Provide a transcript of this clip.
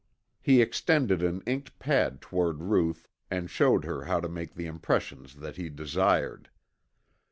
He extended an inked pad toward Ruth and showed her how to make the impressions that he desired.